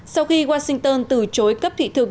sau khi washington từ chối cấp thị thực